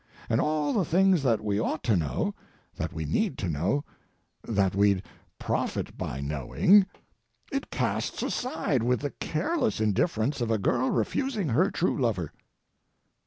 And all the things that we ought to know—that we need to know—that we'd profit by knowing—it casts aside with the careless indifference of a girl refusing her true lover.